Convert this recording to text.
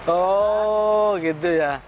oh gitu ya